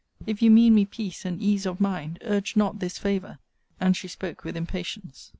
If you mean me peace and ease of mind, urge not this favour. And she spoke with impatience.